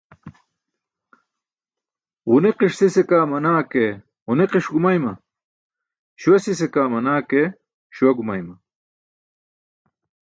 Ġuniqiṣ sise kaa manaa ke ġuniqiṣ gumayma, śuwa sise kaa manaa ke śuwa gumayma.